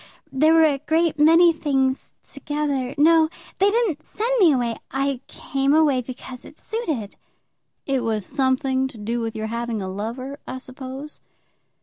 There were a great many things together. No; they didn't send me away. I came away because it suited." "It was something to do with your having a lover, I suppose."